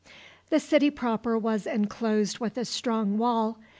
The city proper was inclosed with a strong wall.